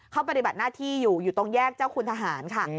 เขาปฏิบัติหน้าที่อยู่อยู่ตรงแยกเจ้าคุณทหารค่ะ